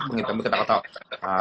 mungkin kamu ketawa ketawa